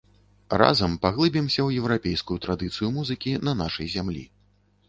Разам паглыбімся ў еўрапейскую традыцыю музыкі на нашай зямлі.